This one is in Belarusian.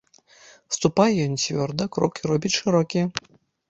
Ступае ён цвёрда, крокі робіць шырокія.